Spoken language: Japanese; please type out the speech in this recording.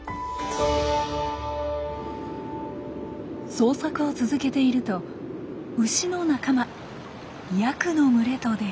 捜索を続けているとウシの仲間ヤクの群れと出会いました。